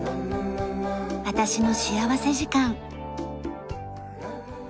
『私の幸福時間』。